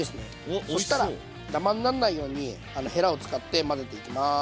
そしたらダマになんないようにヘラを使って混ぜていきます。